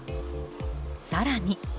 更に。